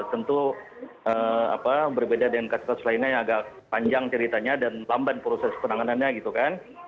tentu berbeda dengan kasus kasus lainnya yang agak panjang ceritanya dan lamban proses penanganannya gitu kan